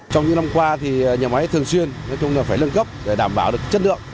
trong những năm qua nhà máy thường xuyên phải lương cấp để đảm bảo chất lượng